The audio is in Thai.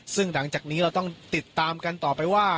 ซึ่งหลังจากนี้เราต้องติดตามกันต่อไปว่า